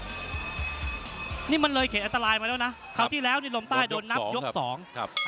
อยู่นี่มันเลยเคสอันตรายมาแล้วคราวที่แล้วในลมใต้โนนับยกสอง